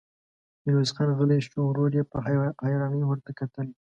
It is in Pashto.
ميرويس خان غلی شو، ورور يې په حيرانۍ ورته کتل.